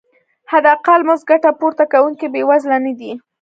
حداقل مزد ګټه پورته کوونکي بې وزله نه دي.